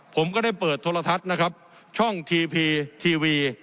ผมก็ได้เปิดโทรทัศน์นะครับช่องทีพีทีวี